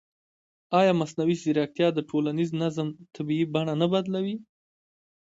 ایا مصنوعي ځیرکتیا د ټولنیز نظم طبیعي بڼه نه بدلوي؟